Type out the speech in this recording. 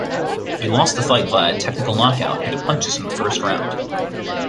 He lost the fight via technical knockout due to punches in the first round.